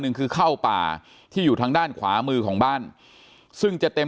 หนึ่งคือเข้าป่าที่อยู่ทางด้านขวามือของบ้านซึ่งจะเต็ม